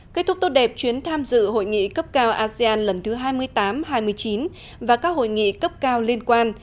kết thúc tốt đẹp chuyến tham dự hội nghị cấp cao asean lần thứ hai mươi tám hai mươi chín và các hội nghị cấp cao liên quan